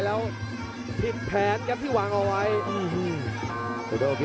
โอ้โหไม่พลาดกับธนาคมโด้แดงเขาสร้างแบบนี้